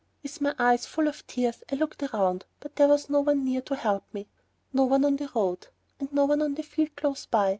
With my eyes full of tears I looked around, but there was no one near to help me. No one on the road, and no one in the field close by.